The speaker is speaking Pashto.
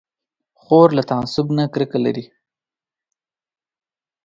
خور له تعصب نه کرکه لري.